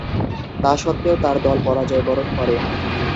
তাস্বত্ত্বেও তার দল পরাজয়বরণ করে।